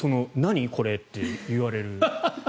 これって言われる。